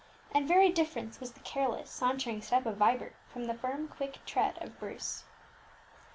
And very different was the careless, sauntering step of Vibert from the firm, quick tread of Bruce.